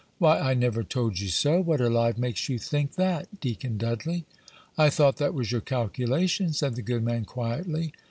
"Why, I never told you so: what alive makes you think that, Deacon Dudley?" "I thought that was your calculation," said the good man, quietly.